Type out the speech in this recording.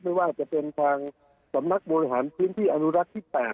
ไม่ว่าจะเป็นทางสำนักบริหารพื้นที่อนุรักษ์ที่๘